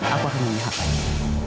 aku akan melihat aida